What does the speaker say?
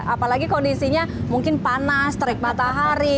apalagi kondisinya mungkin panas terik matahari